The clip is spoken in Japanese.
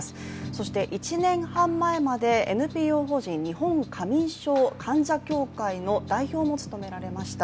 そして１年半前までＮＰＯ法人日本過眠症患者協会の代表も務められました。